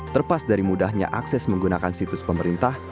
terpas dari mudahnya akses menggunakan situs pemerintah